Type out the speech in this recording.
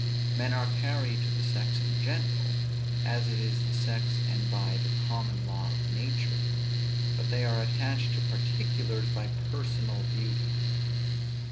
Men are carried to the sex in general, as it is the sex, and by the common law of nature; but they are attached to particulars by personal beauty.